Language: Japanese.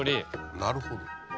なるほど。